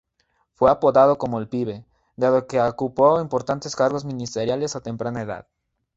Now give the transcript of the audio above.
Fue apodado como ""el Pibe"" dado que ocupó importantes cargos ministeriales a temprana edad.